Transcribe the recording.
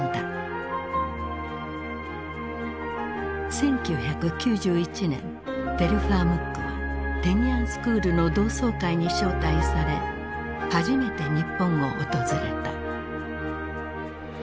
１９９１年テルファー・ムックはテニアンスクールの同窓会に招待され初めて日本を訪れた。